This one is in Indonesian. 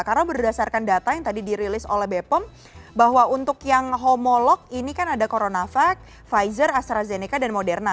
karena berdasarkan data yang tadi dirilis oleh bepom bahwa untuk yang homolog ini kan ada coronavac pfizer astrazeneca dan moderna